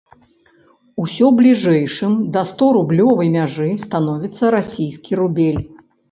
Усё бліжэйшым да сторублёвай мяжы становіцца расійскі рубель.